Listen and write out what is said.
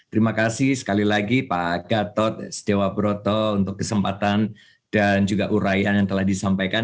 terima kasih sekali lagi pak gatot sedewa broto untuk kesempatan dan juga uraian yang telah disampaikan